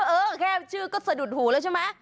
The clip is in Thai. เออแค่ชื่อก็สะดุดหูแล้วใช่ไหม